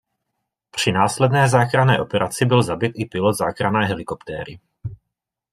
Při následné záchranné operaci byl zabit i pilot záchranné helikoptéry.